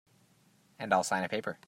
And I'll sign a paper.